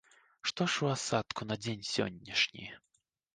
Што ж у асадку на дзень сённяшні?